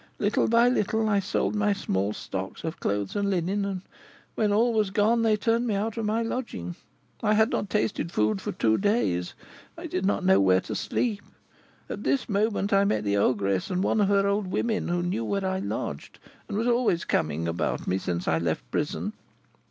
Little by little I sold my small stock of clothes and linen, and when all was gone they turned me out of my lodging. I had not tasted food for two days; I did not know where to sleep. At this moment I met the ogress and one of her old women who knew where I lodged, and was always coming about me since I left prison.